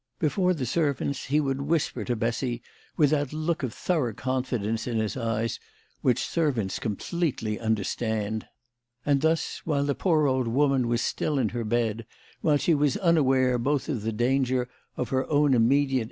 Before the servants he would whisper to Bessy with that look of thorough confidence in his eyes which servants completely understand ; and thus while the poor old woman was still in her bed, while she was unaware both of the danger and of her own immediate THE LADY OF LAUNAY.